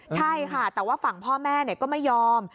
ใช่ค่ะแต่ว่าฝั่งพ่อแม่ก็ไม่ยอม